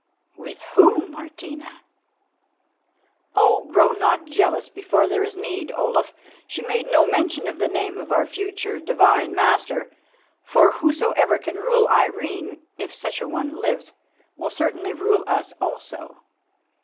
"With whom, Martina?" "Oh! grow not jealous before there is need, Olaf. She made no mention of the name of our future divine master, for whosoever can rule Irene, if such a one lives, will certainly rule us also.